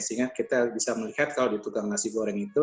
sehingga kita bisa melihat kalau ditukang nasi goreng itu